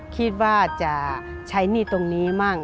คิดว่าจะใช้หนี้ตรงนี้มั่ง